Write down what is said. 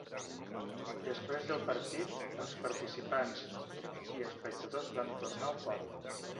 Després del partit, els participants i espectadors van tornar al poble.